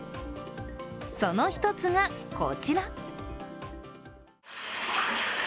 その一つがこちら。